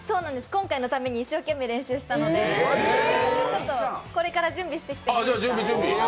今回のために一生懸命練習したのでこれから準備してきていいですか。